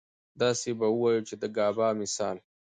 داسې به اووايو چې د ګابا مثال